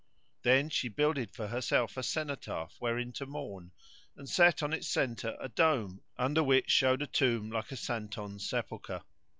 Then she builded for herself a cenotaph wherein to mourn, and set on its centre a dome under which showed a tomb like a Santon's sepulchre.